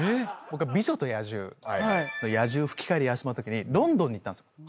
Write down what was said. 『美女と野獣』の野獣吹き替えでやらせてもらったときにロンドンに行ったんすよ。